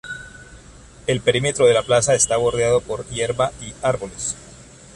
El perímetro de la plaza está bordeado por hierba y árboles.